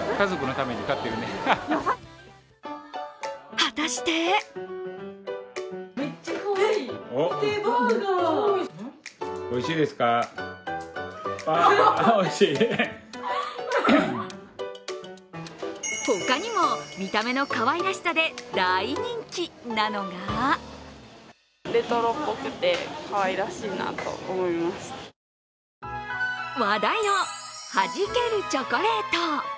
果たしてほかにも、見た目のかわいらしさで大人気なのが話題のはじけるチョコレート。